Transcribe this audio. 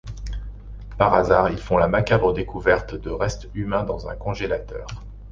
Par hasard, ils font la macabre découverte de restes humains dans un congélateur.